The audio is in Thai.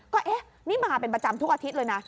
ก็เอ๊ะนี่มาเป็นประจำทุกอาทิตย์เลยนะ